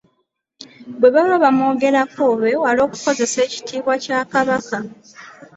Bwe baba bamwogerako beewala okukozesa ekitiibwa kya Kabaka.